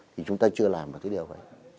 thì chúng ta chưa làm được cái điều vậy